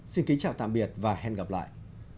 xin kính chào tạm biệt và hẹn gặp lại